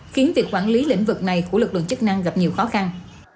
khiến việc quản lý lĩnh vực này của lực lượng chức năng gặp nhiều khó khăn